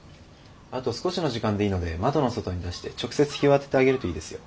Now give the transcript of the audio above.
あと少しの時間でいいので窓の外に出して直接日を当ててあげるといいですよ。